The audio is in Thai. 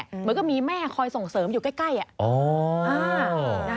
เหมือนก็มีแม่คอยส่งเสริมอยู่ใกล้